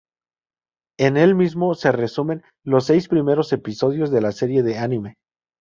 En el mismo se resumen los seis primeros episodios de la serie de anime.